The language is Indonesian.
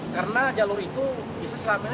karena jalur itu bisa selama ini